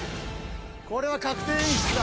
これは確定演出だ。